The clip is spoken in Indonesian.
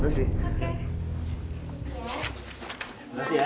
terima kasih ya